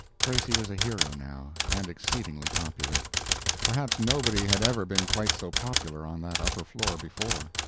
p135.jpg (28K) Tracy was a hero now, and exceedingly popular. Perhaps nobody had ever been quite so popular on that upper floor before.